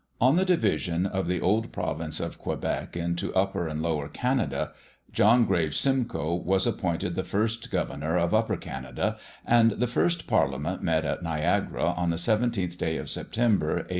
On the division of the old Province of Quebec into Upper and Lower Canada, John Graves Simcoe was appointed the first Governor of Upper Canada; and the first Parliament met at Niagara on the 17th day of September, A.